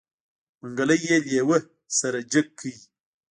منګلی يې لېوه سره جګ که.